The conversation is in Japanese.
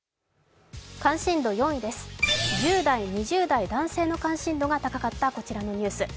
関心度４位です、１０代２０代、男性の関心度が高かったこちらのニュース。